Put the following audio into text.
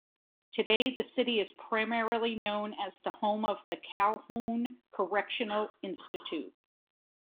Today, the city is primarily known as the home of the Calhoun Correctional Institution.